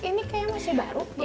ini kayak masih baru